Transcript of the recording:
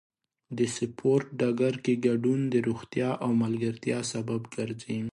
د سپورت ډګر کې ګډون د روغتیا او ملګرتیا سبب ګرځي.